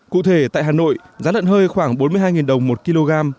cụ thể tại hà nội giá lợn hơi khoảng bốn mươi hai đồng một kg